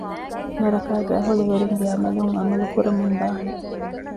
ނަރަކައިގެ އަހުލުވެރިންގެ ޢަމަލުން ޢަމަލު ކުރަމުން ދާނެ